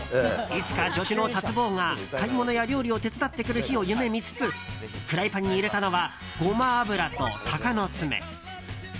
いつか助手の辰坊が買い物や料理を手伝ってくれる日を夢見つつ、フライパンに入れたのはゴマ油と鷹の爪。